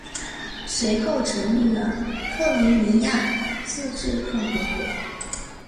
随后成立了克里米亚自治共和国。